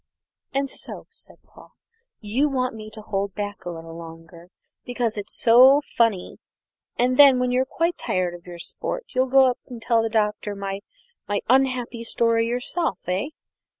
"And so," said Paul, "you want to hold me back a little longer because it's so funny; and then, when you're quite tired of your sport, you'll go up and tell the Doctor my my unhappy story yourself, eh?